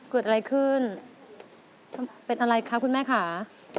เกิดอะไรขึ้นเป็นอะไรคะคุณแม่ค่ะ